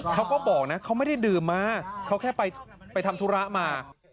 เขาก็บอกนะเขาไม่ได้ดื่มมาเขาแค่ไปทำธุระมา